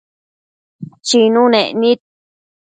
Chinunec nid